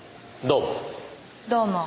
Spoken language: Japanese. どうも。